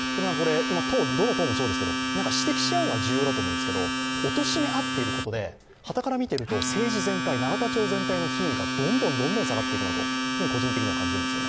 どの党もそうですけど、指摘し合うのは重要ですけど、おとしめ合っていることではたから見ていると政治全体、永田町全体の品位がどんどんどんどん下がっていくと個人的に感じます。